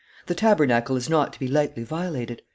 The tabernacle is not to be lightly violated.